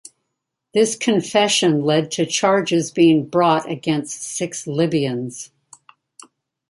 This confession led to charges being brought against six Libyans.